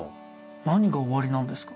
何が終わりなんですか？